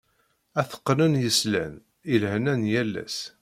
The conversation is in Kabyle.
Ad t-qnen yeslan, i lehna n yal ass.